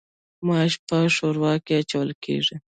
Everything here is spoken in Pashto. ماش په ښوروا کې اچول کیږي.